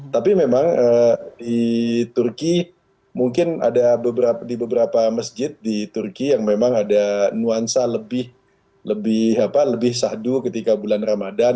tapi memang di turki mungkin ada di beberapa masjid di turki yang memang ada nuansa lebih sahdu ketika bulan ramadhan